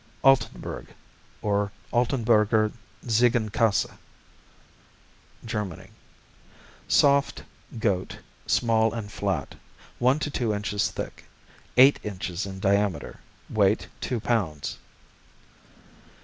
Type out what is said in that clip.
Altenburg, or Altenburger Ziegenkäse Germany Soft; goat; small and flat one to two inches thick, eight inches in diameter, weight two pounds.